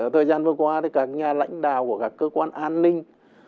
thời gian vừa qua thì cả nhà lãnh đạo của các cơ quan an ninh